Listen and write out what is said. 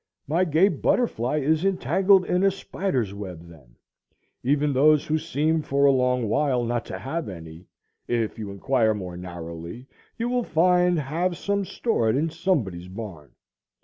My gay butterfly is entangled in a spider's web then. Even those who seem for a long while not to have any, if you inquire more narrowly you will find have some stored in somebody's barn.